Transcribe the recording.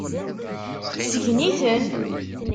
Sgen-iten.